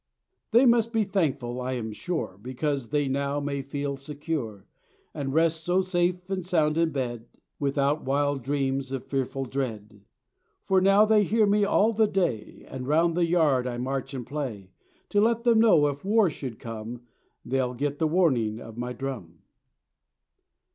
They must be thankful, I am sure, Because they now may feel secure, And rest so safe and sound in bed, Without wild dreams of fearful dread; For now they hear me all the day, As round the yard I march and play, To let them know if war should come They'll get the warning of my drum.